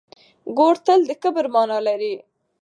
ګور تل د کبر مانا لري.